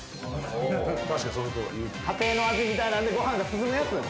家庭の味みたいなのでご飯が進むやつ。